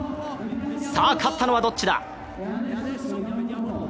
さあ、勝ったのはどっちだ？